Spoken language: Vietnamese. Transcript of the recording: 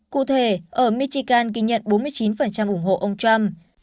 cụ thể ở michikan ghi nhận bốn mươi chín ủng hộ ông trump